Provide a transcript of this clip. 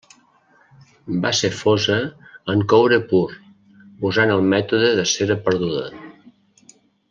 Va ser fosa en coure pur usant el mètode de cera perduda.